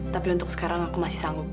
tapi untuk sekarang aku masih sanggup